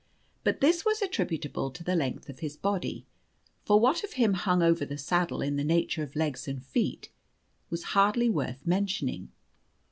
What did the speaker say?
But this was attributable to the length of his body, for what of him hung over the saddle in the nature of legs and feet was hardly worth mentioning.